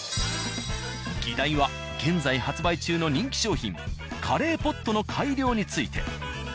議題は現在発売中の人気商品カレーポットの改良について。